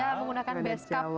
ya menggunakan beskap